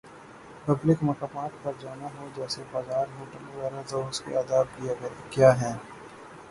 Public مقامات پر جانا ہو، جیسے بازار" ہوٹل وغیرہ تو اس کے آداب کیا ہیں۔